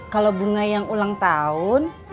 kalau bunga yang ulang tahun